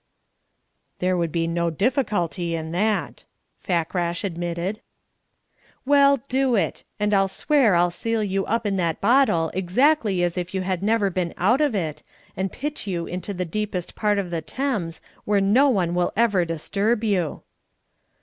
"There would be no difficulty in that," Fakrash admitted. "Well, do it and I'll swear to seal you up in the bottle exactly as if you had never been out of it, and pitch you into the deepest part of the Thames, where no one will ever disturb you."